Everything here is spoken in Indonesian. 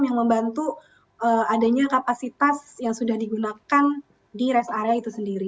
yang membantu adanya kapasitas yang sudah digunakan di rest area itu sendiri